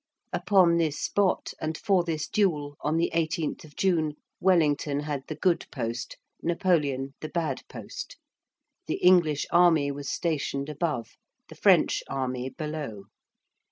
Upon this spot, and for this duel, on the 18th of June, Wellington had the good post, Napoleon the bad post. The English army was stationed above, the French army below.